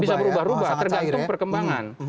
bisa berubah ubah tergantung perkembangan